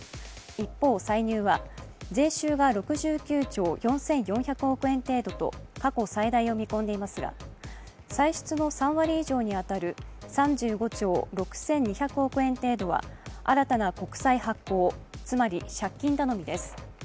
一方、歳入は税収が６９兆４４００億円程度と過去最大を見込んでいますが、歳出の３割以上に当たる３５兆６２００億円程度は新たな国債発行、つまり借金頼みです。